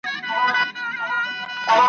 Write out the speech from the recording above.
چې د خپل عصر